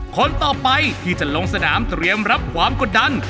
คนต่อไปที่จะลงสนามเตรียมรับความกดดัน